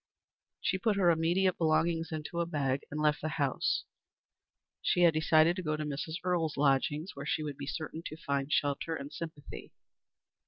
She put her immediate belongings into a bag and left the house. She had decided to go to Mrs. Earle's lodgings where she would be certain to find shelter and sympathy.